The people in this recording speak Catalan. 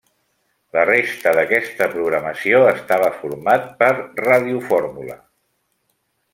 La resta d'aquesta programació estava format per radiofórmula.